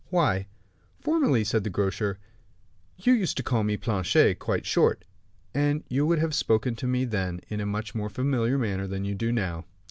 "Why, formerly," said the grocer, "you used to call me Planchet quite short, and you would have spoken to me then in a much more familiar manner than you do now."